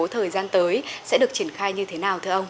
thời gian tới sẽ được triển khai như thế nào thưa ông